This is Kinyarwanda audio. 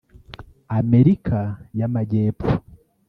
Amerika y’Amajyepfo